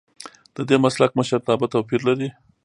ددې مسلک مشرتابه توپیر لري.